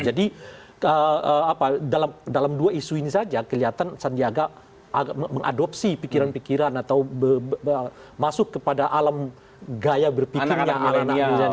jadi dalam dua isu ini saja kelihatan sandiaga mengadopsi pikiran pikiran atau masuk kepada alam gaya berpikirnya anak anak milenial